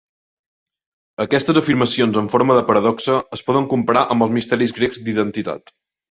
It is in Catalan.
Aquestes afirmacions en forma de paradoxa es poden comparar amb els misteris grecs d'identitat.